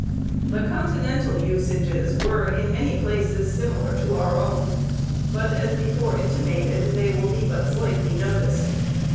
The continental usages were, in many places, similar to our own; but, as before intimated, they will be but slightly noticed.